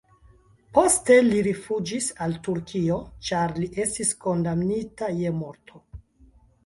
Poste li rifuĝis al Turkio, ĉar li estis kondamnita je morto.